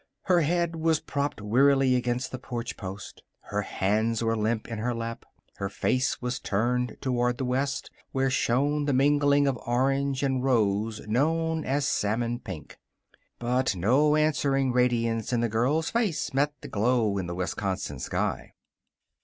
Her head was propped wearily against the porch post. Her hands were limp in her lap. Her face was turned toward the west, where shone that mingling of orange and rose known as salmon pink. But no answering radiance in the girl's face met the glow in the Wisconsin sky.